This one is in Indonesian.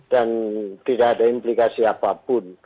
dan tidak ada implikasi apapun